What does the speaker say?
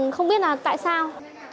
không biết là tại sao